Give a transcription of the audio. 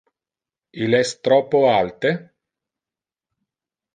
Il es troppo alte?